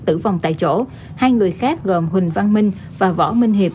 tử vong tại chỗ hai người khác gồm huỳnh văn minh và võ minh hiệp